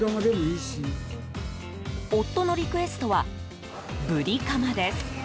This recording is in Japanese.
夫のリクエストはブリカマです。